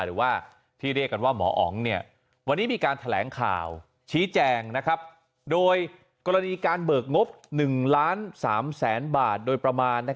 หรือว่าที่เรียกกันว่าหมออ๋องวันนี้มีการแถลงข่าวชี้แจงโดยกรณีการเบิกงบ๑ล้าน๓แสนบาทโดยประมาณ